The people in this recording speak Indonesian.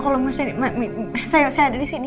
kalau saya ada disini